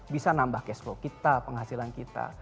bisa nambah cash flow kita penghasilan kita